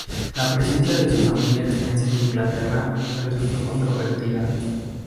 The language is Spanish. La presencia de su familia extensa en Inglaterra resultó controvertida.